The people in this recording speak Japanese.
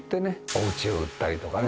おうちを売ったりとかね